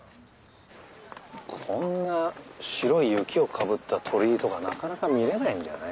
こんな白い雪をかぶった鳥居とかなかなか見れないんじゃない？